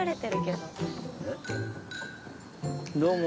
どうも。